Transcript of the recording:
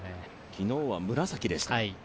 昨日は紫でした。